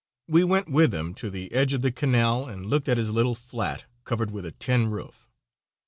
We went with him to the edge of the canal and looked at his little flat, covered with a tin roof.